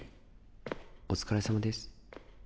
お疲れさまです。